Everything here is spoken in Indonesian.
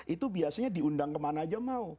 itu biasanya diundang kemana aja mau